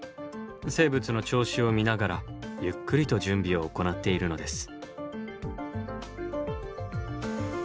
生物の調子を見ながらゆっくりと準備を行っているのです。